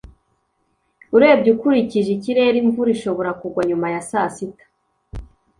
urebye ukurikije ikirere, imvura ishobora kugwa nyuma ya saa sita